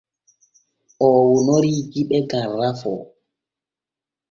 Oo wonorii jiɓe gam rafoo.